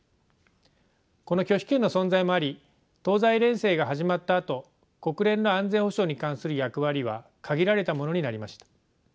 この拒否権の存在もあり東西冷戦が始まったあと国連の安全保障に関する役割は限られたものになりました。